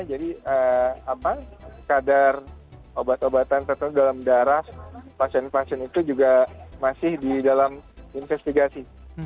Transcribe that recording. kadar obat obatan tertentu dalam darah pasien pasien itu juga masih di dalam investigasi